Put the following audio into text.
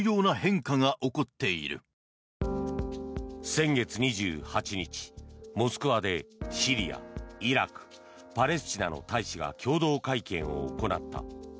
先月２８日、モスクワでシリア、イラクパレスチナの大使が共同会見を行った。